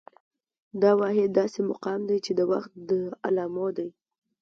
دا واحد داسې مقام دى، چې د وخت د علامو دى